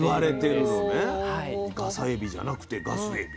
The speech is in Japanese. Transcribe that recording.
ガサエビじゃなくてガスエビ。